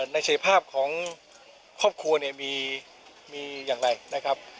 ในเสรีภาพของครอบครัวเนี่ยมีอย่างไรนะครับ